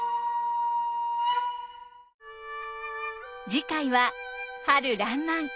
次回は春らんまん。